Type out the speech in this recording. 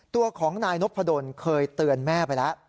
ตัวของนายนพดลเคยเตือนแม่ไปแล้ว